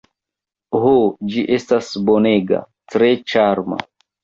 Ho, ĝi estas bonega, tre ĉarma!